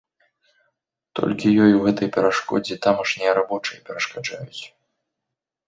Толькі ёй у гэтай перашкодзе тамашнія рабочыя перашкаджаюць.